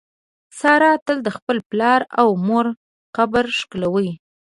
ساره تل د خپل پلار او مور قبر ښکلوي.